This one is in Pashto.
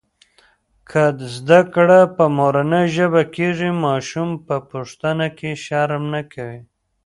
که زده کړه په مورنۍ ژبه کېږي، ماشوم په پوښتنه کې شرم نه کوي.